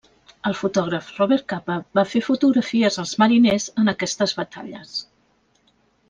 El fotògraf Robert Capa va fer fotografies als mariners en aquestes batalles.